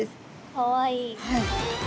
かわいい。